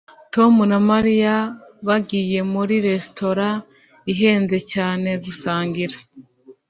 Tom na Mary bagiye muri resitora ihenze cyane gusangira